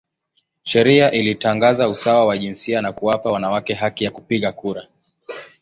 Sheria ilitangaza usawa wa jinsia na kuwapa wanawake haki ya kupiga kura.